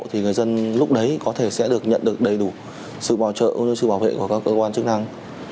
thì người dân lúc đấy có thể sẽ được nhận được đầy đủ sự bảo trợ cũng như sự bảo vệ của các cơ quan chức năng